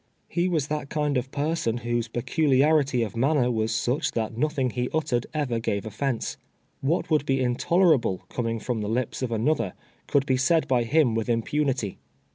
He was that kind of person whose pecu liarity of manner was such that nothing he nttered ever gave olfence. AVliat would bo intolerable, com ing from the lips of another, could be said by him with impunity.